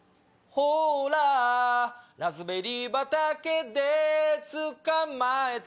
ほらラズベリー畑でつかまえて